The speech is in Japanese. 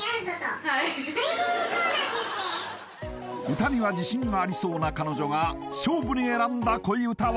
歌には自信がありそうな彼女が勝負に選んだ恋うたは？